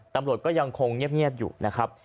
ตำรวจก็ยังคงเงียบอยู่นะครับ